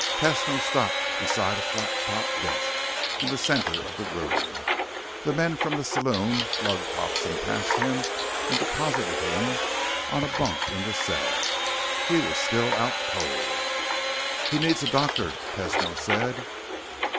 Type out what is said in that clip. Tesno stopped beside a flat top desk in the center of the room. The men from the saloon lugged Hobson past him and deposited him on a bunk in the cell. He was still out cold. "He needs a doctor," Tesno said.